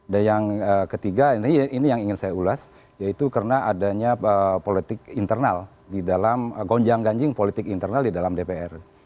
dan yang ketiga ini yang ingin saya ulas yaitu karena adanya politik internal di dalam gonjang ganjing politik internal di dalam dpr